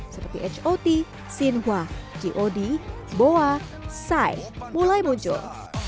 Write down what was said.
seperti h o t sinhwa g o d boa psy mulai muncul